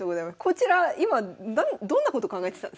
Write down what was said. こちら今どんなこと考えてたんですか？